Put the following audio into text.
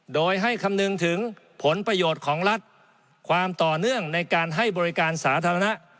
โดยให้คำนึงถึงผลประโยชน์ของรัฐความต่อเนื่องในการให้บริการสาธารณะ